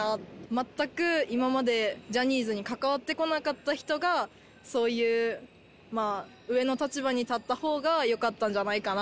全く今までジャニーズに関わってこなかった人が、そういう上の立場に立ったほうがよかったんじゃないかな。